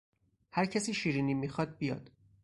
هر کسی شیرینی میخواد بیاد